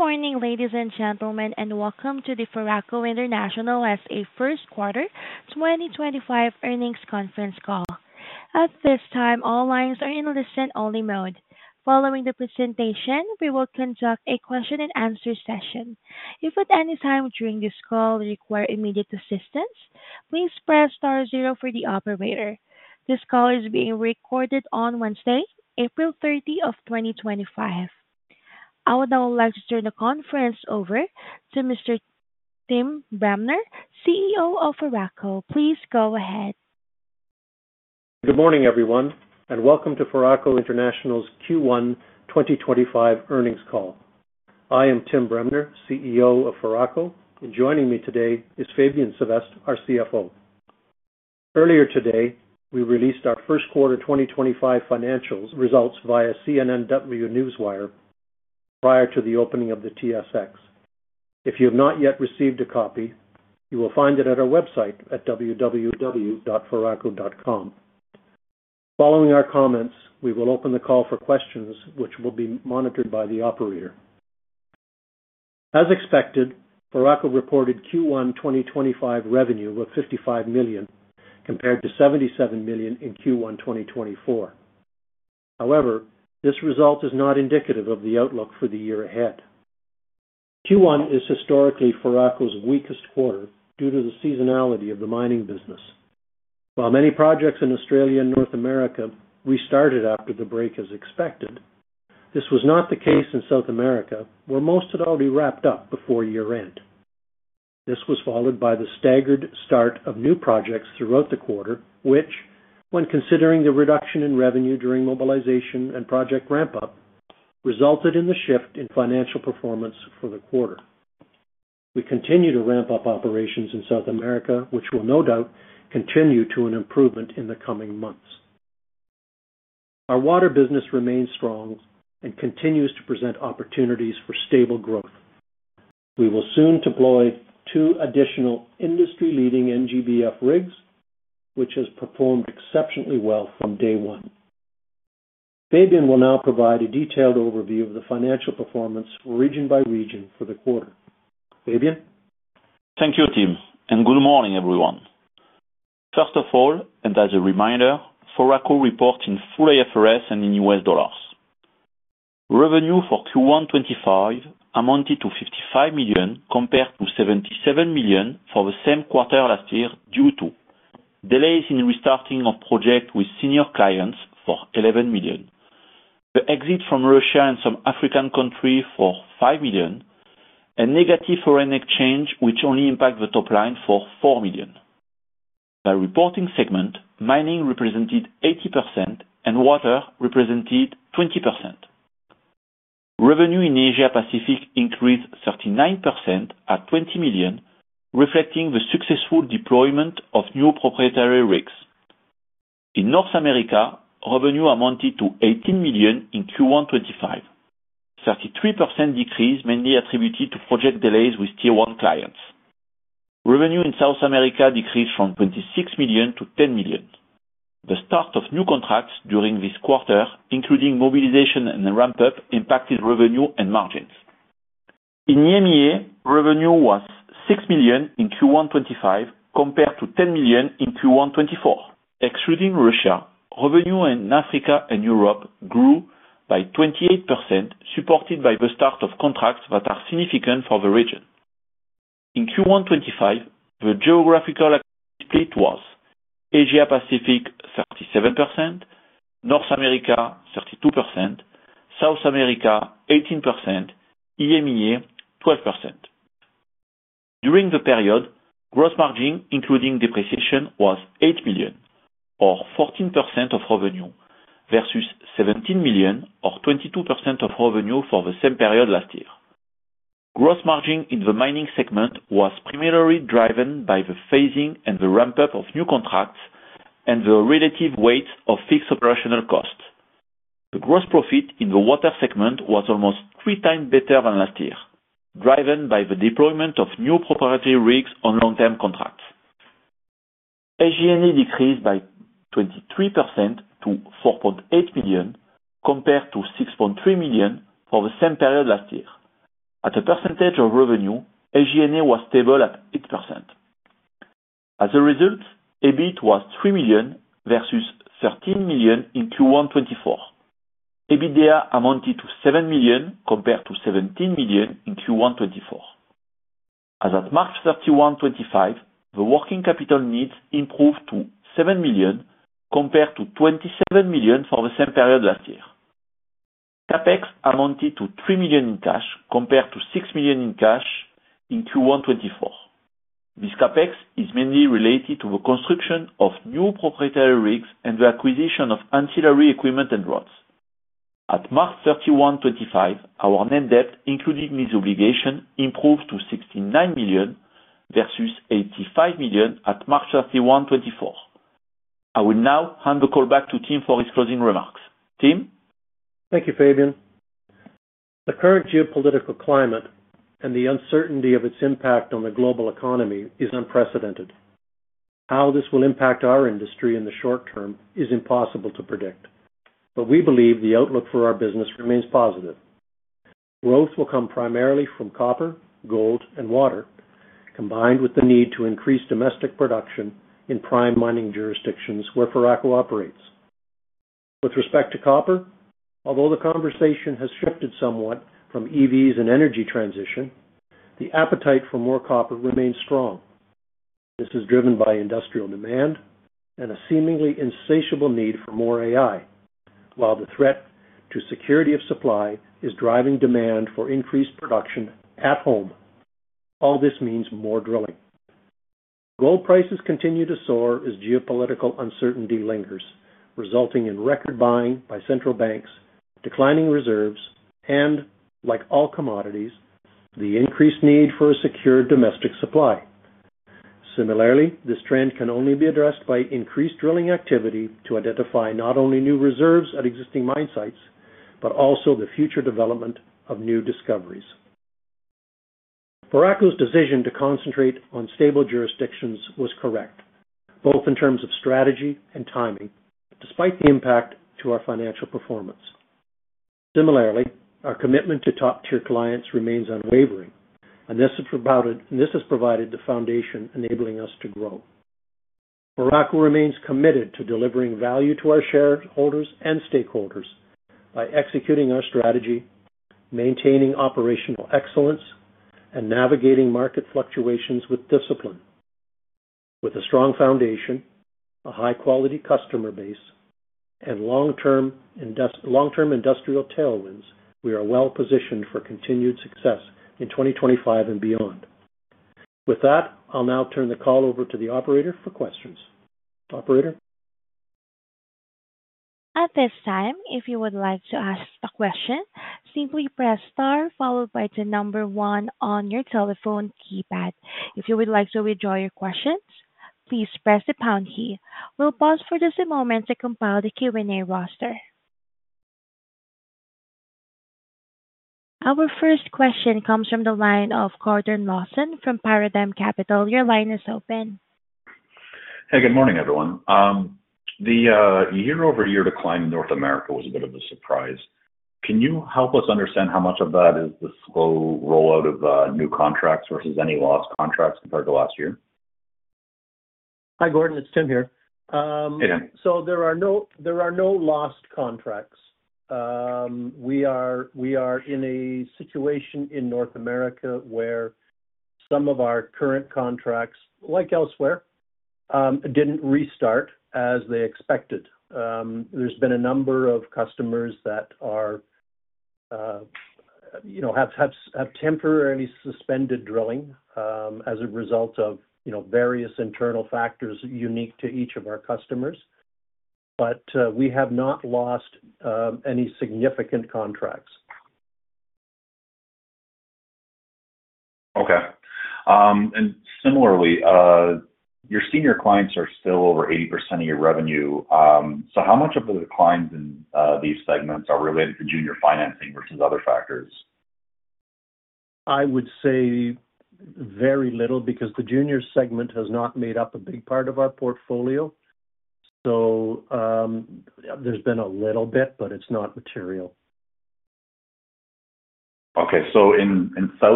Good morning, ladies and gentlemen, and welcome to the Foraco International S.A First Quarter 2025 Earnings Conference Call. At this time, all lines are in listen-only mode. Following the presentation, we will conduct a question-and-answer session. If at any time during this call you require immediate assistance, please press star zero for the operator. This call is being recorded on Wednesday, April 30, 2025. I would now like to turn the conference over to Mr. Tim Bremner, CEO of Foraco. Please go ahead. Good morning, everyone, and welcome to Foraco International's Q1 2025 Earnings Call. I am Tim Bremner, CEO of Foraco, and joining me today is Fabien Sevestre, our CFO. Earlier today, we released our first quarter 2025 financial results via CNW Newswire prior to the opening of the TSX. If you have not yet received a copy, you will find it at our website at www.foraco.com. Following our comments, we will open the call for questions, which will be monitored by the operator. As expected, Foraco reported Q1 2025 revenue of $55 million compared to $77 million in Q1 2024. However, this result is not indicative of the outlook for the year ahead. Q1 is historically Foraco's weakest quarter due to the seasonality of the mining business. While many projects in Australia and North America restarted after the break as expected, this was not the case in South America, where most had already wrapped up before year-end. This was followed by the staggered start of new projects throughout the quarter, which, when considering the reduction in revenue during mobilization and project ramp-up, resulted in the shift in financial performance for the quarter. We continue to ramp up operations in South America, which will no doubt continue to an improvement in the coming months. Our water business remains strong and continues to present opportunities for stable growth. We will soon deploy two additional industry-leading NGBF rigs, which have performed exceptionally well from day one. Fabien will now provide a detailed overview of the financial performance region by region for the quarter. Fabien? Thank you, Tim, and good morning, everyone. First of all, and as a reminder, Foraco reports in full IFRS and in US dollars. Revenue for Q1 2025 amounted to $55 million compared to $77 million for the same quarter last year due to delays in restarting of projects with senior clients for $11 million, the exit from Russia and some African countries for $5 million, and negative foreign exchange, which only impacted the top line for $4 million. By reporting segment, mining represented 80%, and water represented 20%. Revenue in Asia-Pacific increased 39% at $20 million, reflecting the successful deployment of new proprietary rigs. In North America, revenue amounted to $18 million in Q1 2025, a 33% decrease mainly attributed to project delays with tier-one clients. Revenue in South America decreased from $26 million to $10 million. The start of new contracts during this quarter, including mobilization and ramp-up, impacted revenue and margins. In EMEA, revenue was $6 million in Q1 2025 compared to $10 million in Q1 2024. Excluding Russia, revenue in Africa and Europe grew by 28%, supported by the start of contracts that are significant for the region. In Q1 2025, the geographical split was Asia-Pacific 37%, North America 32%, South America 18%, EMEA 12%. During the period, gross margin, including depreciation, was $8 million, or 14% of revenue, versus $17 million, or 22% of revenue for the same period last year. Gross margin in the mining segment was primarily driven by the phasing and the ramp-up of new contracts and the relative weight of fixed operational costs. The gross profit in the water segment was almost three times better than last year, driven by the deployment of new proprietary rigs on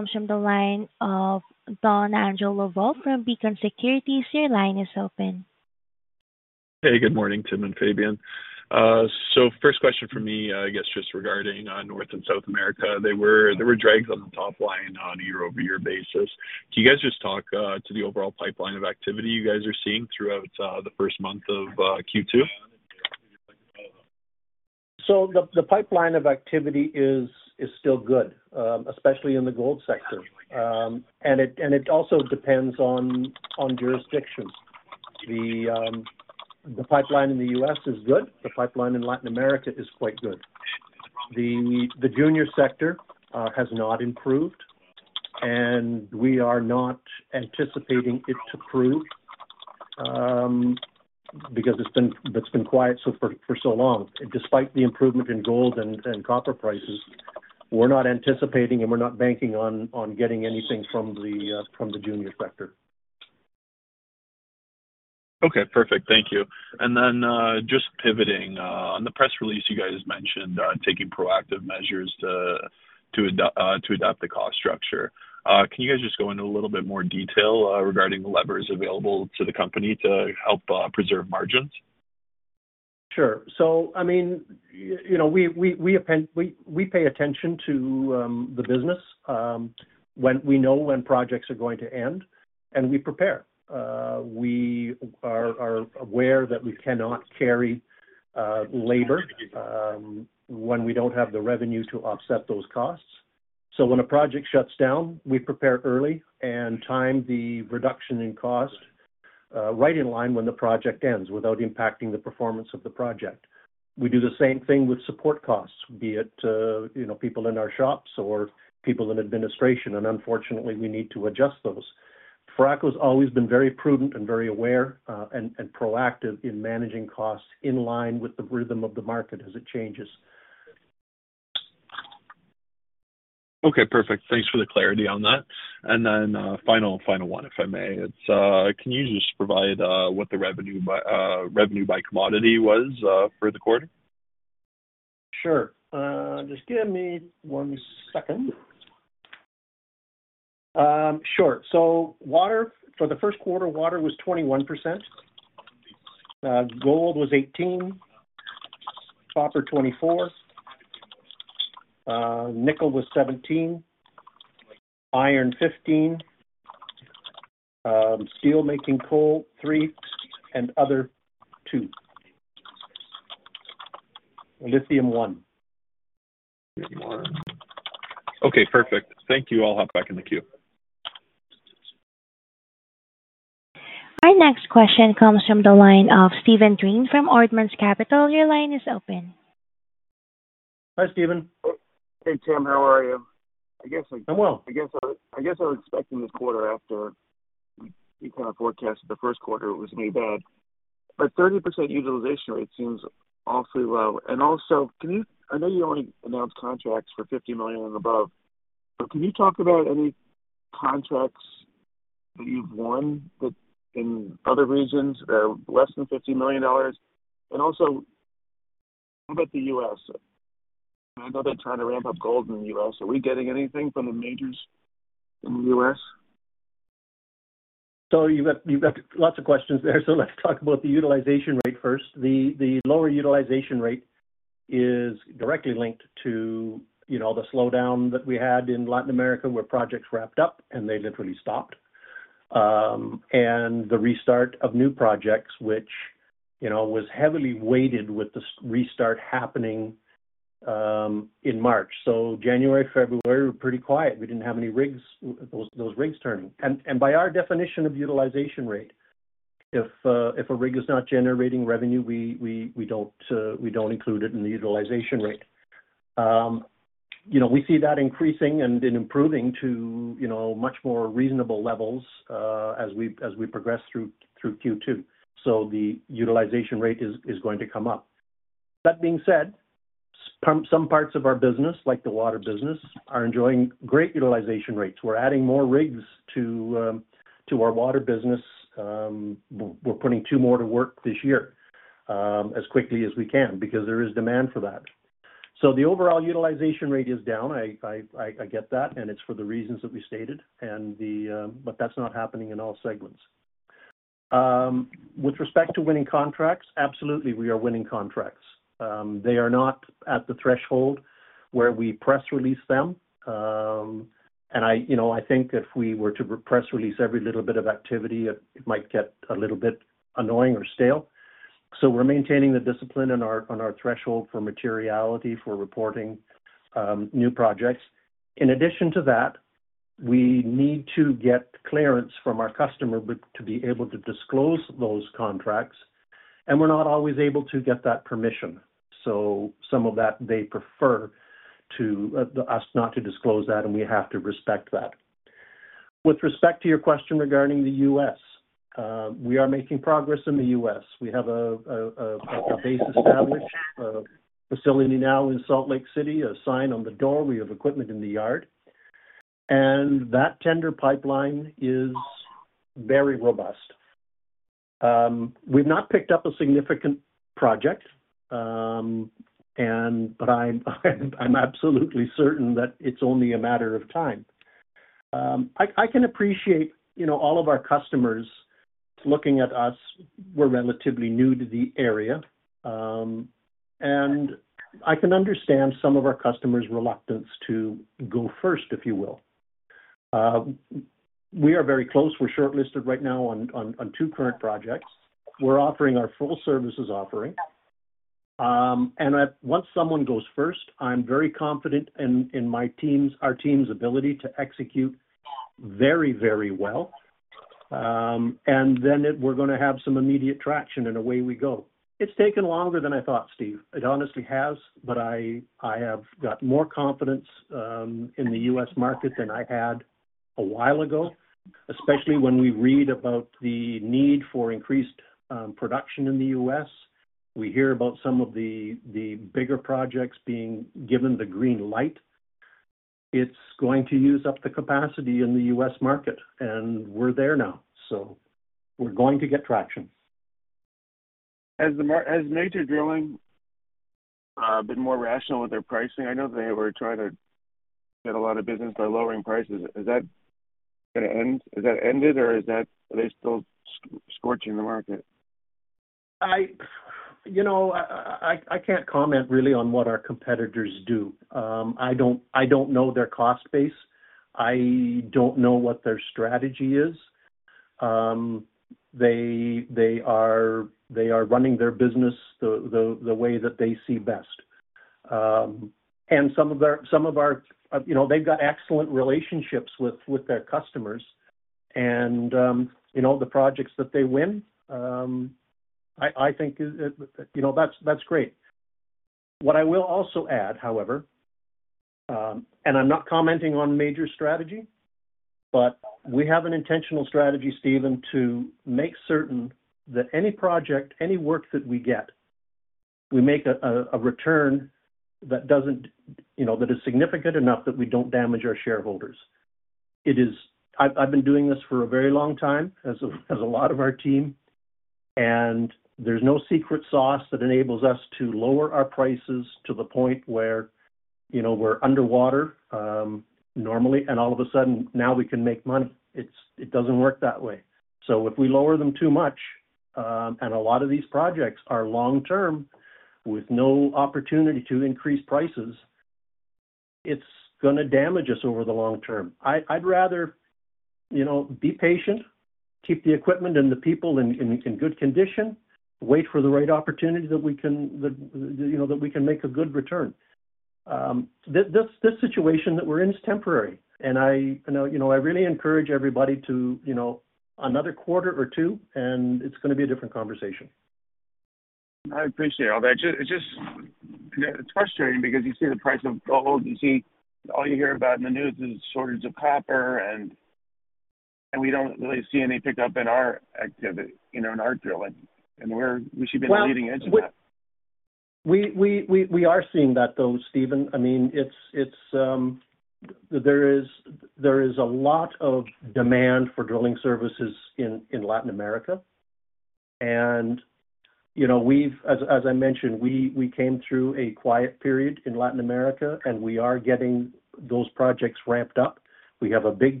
contract.